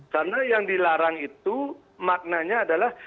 karena yang dilarang itu maknanya adalah